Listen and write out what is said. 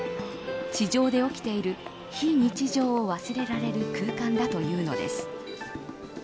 地上で起きている非日常を忘れられる空間だというのです。